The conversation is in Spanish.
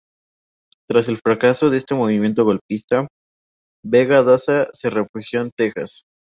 Tras el fracaso de este movimiento golpista, Vega Daza se refugió en Texas.